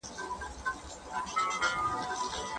څېړونکی د خپلي څېړني د اغېزو په اړه فکر کوي.